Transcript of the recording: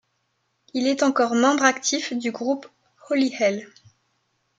Il est encore membre actif du groupe Holyhell.